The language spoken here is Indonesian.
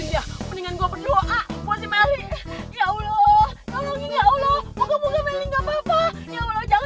mendingan gua berdoa buat melih ya allah tolong ya allah moga moga melih gapapa ya allah jangan